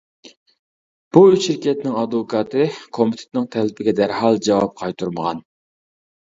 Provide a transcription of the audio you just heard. بۇ ئۈچ شىركەتنىڭ ئادۋوكاتى كومىتېتنىڭ تەلىپىگە دەرھال جاۋاب قايتۇرمىغان.